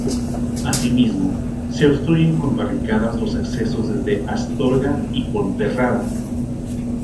Así mismo, se obstruyen con barricadas los accesos desde Astorga y Ponferrada.